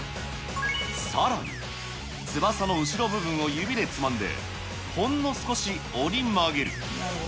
さらに、翼の後ろ部分を指でつまんで、ほんの少し折り曲げる。